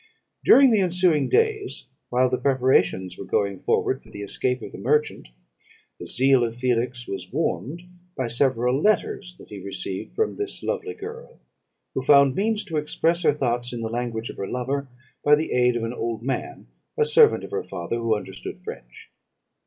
"During the ensuing days, while the preparations were going forward for the escape of the merchant, the zeal of Felix was warmed by several letters that he received from this lovely girl, who found means to express her thoughts in the language of her lover by the aid of an old man, a servant of her father, who understood French.